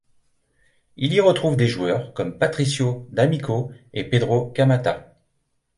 Il y retrouve des joueurs comme Patricio D'Amico et Pedro Kamata.